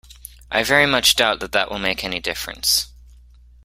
I very much doubt that that will make any difference.